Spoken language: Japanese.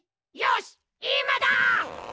よしいまだ！